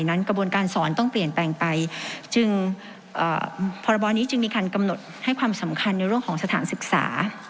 กระบวนการสอนต้องเปลี่ยนแปลงไปจึงพรบนี้จึงมีการกำหนดให้ความสำคัญในเรื่องของสถานศึกษา